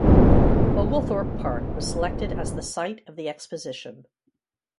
Oglethorpe Park was selected as the site of the exposition.